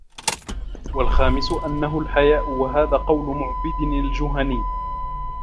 وَالْخَامِسُ أَنَّهُ الْحَيَاءُ وَهَذَا قَوْلُ مَعْبَدٍ الْجُهَنِيِّ